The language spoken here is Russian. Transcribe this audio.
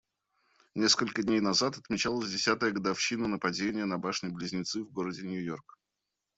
Несколько дней назад отмечалась десятая годовщина нападения на башни-близнецы в городе Нью-Йорк.